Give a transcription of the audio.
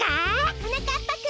はなかっぱくん。